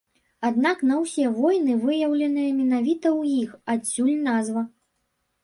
Аднак на ўсе воіны выяўленыя менавіта ў іх, адсюль назва.